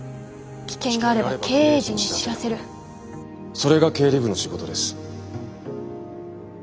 それが経理部の仕事です。